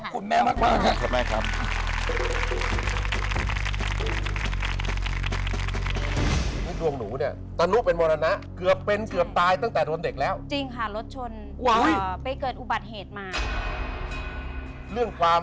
ขอบคุณแม่มาก